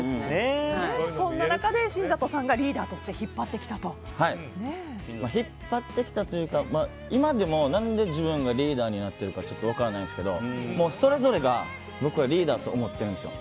そんな中で新里さんが引っ張ってきたというか今でも何で自分がリーダーになっているかちょっと分からないんですけどそれぞれが僕はリーダーだと思っているんですよ。